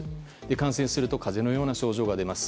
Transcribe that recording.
感染すると風邪のような症状が出ます。